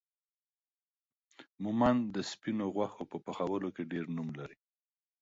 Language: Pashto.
مومند دا سپينو غوښو په پخولو کې ډير نوم لري